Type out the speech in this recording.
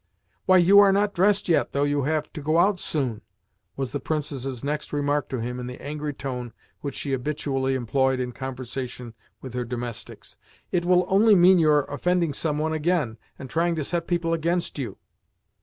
"Why, you are not dressed yet, though you have to go out soon!" was the Princess's next remark to him in the angry tone which she habitually employed in conversation with her domestics. "It will only mean your offending some one again, and trying to set people against you."